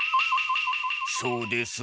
そうです。